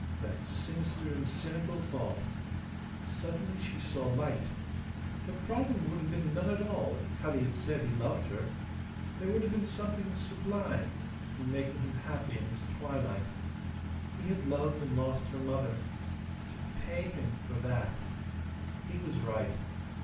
That sinister and cynical thought! Suddenly she saw light. Her problem would have been none at all if Cutty had said he loved her. There would have been something sublime in making him happy in his twilight. He had loved and lost her mother. To pay him for that! He was right.